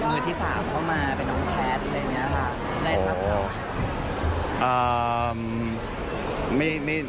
มือที่สามเข้ามาเป็นน้องแพทย์อะไรอย่างนี้ค่ะได้ทราบข่าว